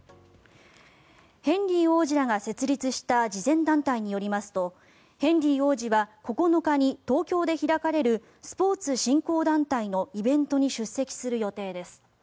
ヘンリー王子らが設立した慈善団体によりますとヘンリー王子は９日に東京で開かれるスポーツ振興団体のイベントに出席する予定です。